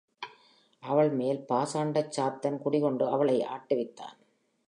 அவள் மேல் பாசாண்டச் சாத்தன் குடிகொண்டு அவளை ஆட்டுவித்தான்.